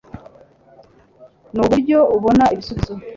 Nuburyo ubona ibisubizo